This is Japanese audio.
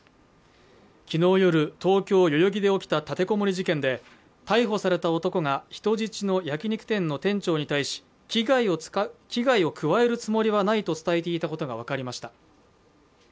昨日夜、東京・代々木で起きた立てこもり事件で逮捕された男が人質の焼き肉店の店長に対し、危害を加えるつもりはないと伝えていたことが分かりました。